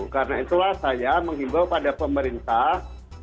karena itulah saya mengimbau pada pemerintah